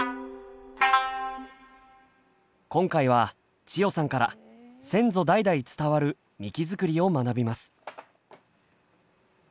今回は千代さんから先祖代々伝わるみき作りを学びます。